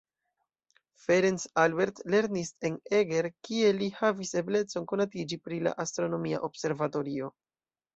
Ferenc Albert lernis en Eger, kie li havis eblecon konatiĝi pri la astronomia observatorio.